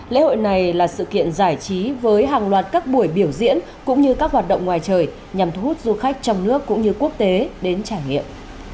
lễ hội này là sự kiện giải trí với hàng loạt các buổi biểu diễn cũng như các hoạt động ngoài trời nhằm thu hút du khách trong nước cũng như quốc tế đến trải nghiệm